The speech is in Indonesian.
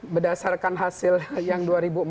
berdasarkan hasil yang dua ribu empat belas